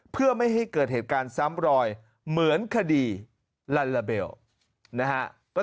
เพื่อไม่ให้เกิดเหตุการณ์ซ้ำรอยเหมือนคดีลัลลาเบลนะฮะ